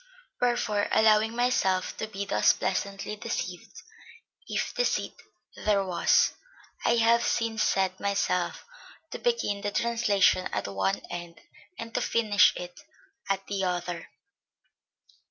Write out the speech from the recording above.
Wherefore, allowing myself to be thus pleasantly deceived, if deceit there was, I have since set myself to begin the translation at one end and to finish it at the other...."